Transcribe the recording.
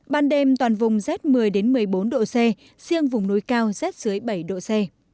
ban đêm toàn vùng rét một mươi một mươi bốn độ c riêng vùng núi cao rét dưới bảy độ c